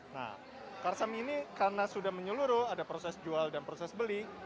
nah karsam ini karena sudah menyeluruh ada proses jual dan proses beli